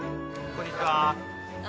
こんにちは。